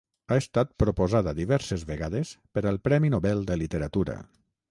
Ha estat proposada diverses vegades per al premi Nobel de literatura.